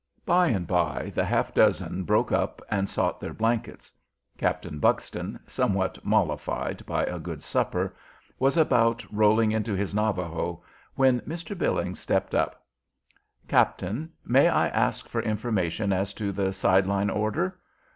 By and by the half dozen broke up and sought their blankets. Captain Buxton, somewhat mollified by a good supper, was about rolling into his "Navajo," when Mr. Billings stepped up: "Captain, may I ask for information as to the side line order?